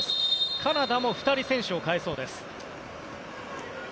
カナダも２人選手を代えそうです